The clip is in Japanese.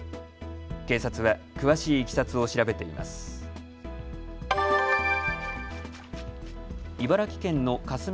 警察は詳しいいきさつを調べています。